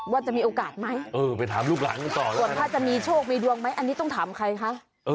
ว่าจะมีโอกาสไหมถ้าจะมีโชคมีดวงไหมอันนี้ต้องถามใครคะ